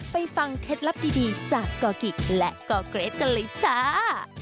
ฟังเคล็ดลับดีจากกอกิกและกอเกรทกันเลยจ้า